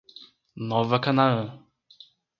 Nova Canaã